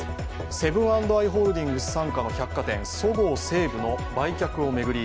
セブン＆アイ・ホールディングス傘下の百貨店、そごう・西武の売却を巡り